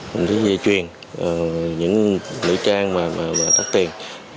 những dây chuyền những nữ trang tắt tiền